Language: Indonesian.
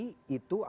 dan sekali lagi